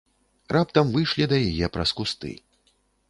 Раптам выйшлі да яе праз кусты.